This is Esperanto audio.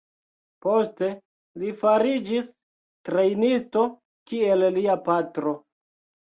Poste li fariĝis trejnisto kiel lia patro.